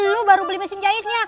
dulu baru beli mesin jahitnya